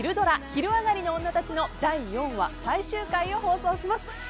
「昼上がりのオンナたち」の第４話最終回を放送します。